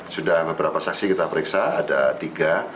sudah beberapa saksi kita periksa ada tiga